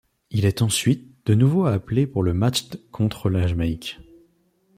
Il est ensuite, de nouveau appelé pour le match d' contre la Jamaïque.